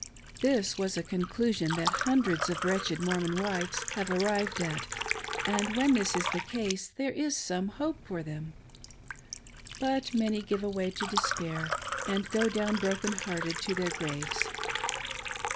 This was a conclusion that hun dreds of wretched Mormon wives have arrived at, and when this is the case there is some hope for them. But many give way to despair, and go down broken hearted to their graves.